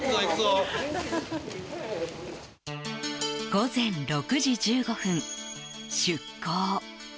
午前６時１５分、出港。